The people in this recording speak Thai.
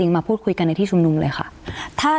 มาพูดคุยกันในที่ชุมนุมเลยค่ะ